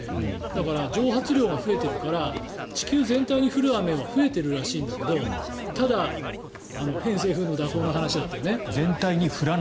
だから、蒸発量が増えているから地球全体に降る雨の量は増えているらしいんだけどただ、偏西風の蛇行の話もあったよね。